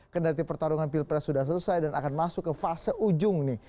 kendati pertarungan pilpres sudah selesai dan akan masuk ke fase ujung nih